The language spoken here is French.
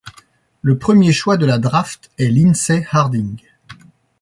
Le premier choix de la draft est Lindsey Harding.